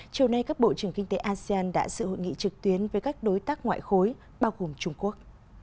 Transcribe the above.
chiều nay các bộ trưởng kinh tế asean đã sự hội nghị trực tuyến với các đối tác ngoại khối bao gồm trung quốc